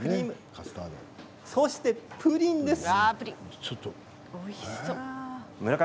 そしてプリンです。